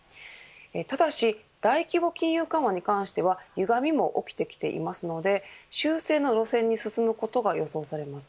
ただし大規模金融緩和に関してはゆがみも起きてきていますので修正の路線に進むことが予想されます。